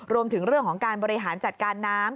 รวมถึงเรื่องของการบริหารจัดการน้ำ